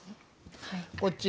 こっち